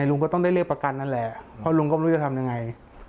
ลุงสมศักดิ์